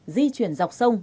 di chuyển dọc sông